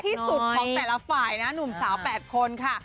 ที่สุดของแต่ละฝ่ายนะหนุ่มสาว๘คนค่ะ